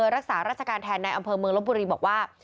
รักษาราชการแทนในอำเภอเมืองลบบุรีบอกว่า